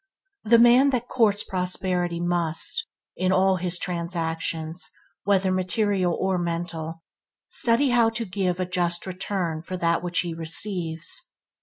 The man that courts prosperity must, in all his transactions, whether material or mental, study how to give a just return for that which he receives.